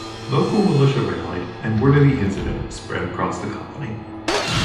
Local militia rallied, and word of the incident spread across the colony.